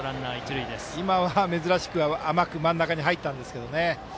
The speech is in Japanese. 今は珍しく甘く入ったんですけどね。